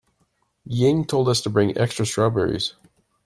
Ying told us to bring extra strawberries.